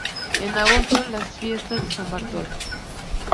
En agosto las fiestas de San Bartolo.